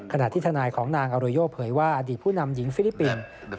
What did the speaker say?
ขณะที่ทนายของนางอโรโยเผยว่าอดีตผู้นำหญิงฟิลิปปินส์